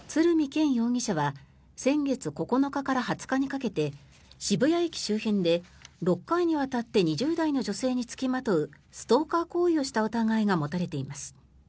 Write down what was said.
憲容疑者は先月９日から２０日にかけて渋谷駅周辺で６回にわたって２０代の女性に付きまとうストーカー行為をした疑いが持たれています。